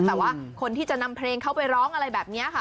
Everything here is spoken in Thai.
แต่ว่าคนที่จะนำเพลงเข้าไปร้องอะไรแบบนี้ค่ะ